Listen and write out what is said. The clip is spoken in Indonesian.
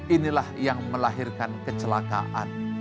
inilah yang melahirkan kecelakaan